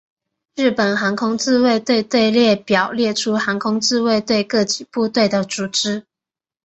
日本航空自卫队队列表列出航空自卫队各级部队的组织。